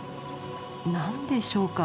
何でしょうか？